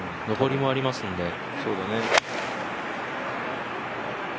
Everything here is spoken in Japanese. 上りもありますんで。